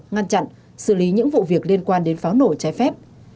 ngăn chặn xử lý những vụ việc liên quan đến pháo nổ trái phép